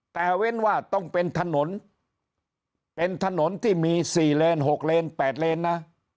แต่เว้นว่าต้องเป็นถนนเป็นถนนที่มี๔เลน๖เลน๘เลนนะ